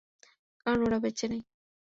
কারণ ওরা বেঁচে নেই।